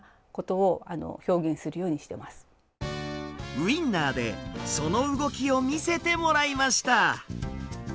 ウインナーでその動きを見せてもらいました。